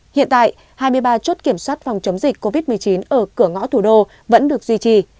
hiện tại hai mươi ba chốt kiểm soát phòng chống dịch covid một mươi chín ở cửa ngõ thủ đô vẫn được duy trì